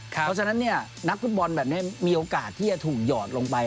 เพราะฉะนั้นนักฟุตบอลแบบนี้มีโอกาสที่จะถูกหยอดลงไป